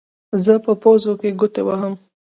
زه په پوزو کې ګوتې وهم.